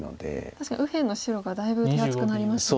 確かに右辺の白がだいぶ手厚くなりましたね。